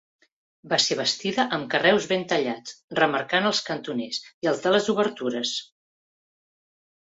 Va ser bastida amb carreus ben tallats remarcant els cantoners i els de les obertures.